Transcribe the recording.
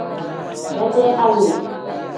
Mede awe.